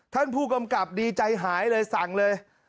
ท่านผู้กำกับดีใจหายเลยสั่งเลย